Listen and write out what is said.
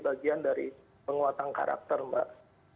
bagian dari penguatan karakter mbak